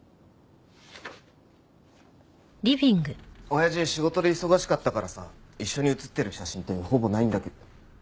親父仕事で忙しかったからさ一緒に写ってる写真ってほぼないんだけど。